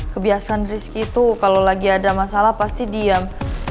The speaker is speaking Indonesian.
kebiasaan rizky itu kalau lagi ada masalah pasti diam